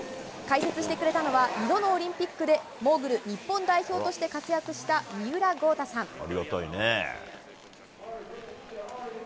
解説してくれたのは２度のオリンピックでモーグル日本代表として活躍した三浦豪太さん。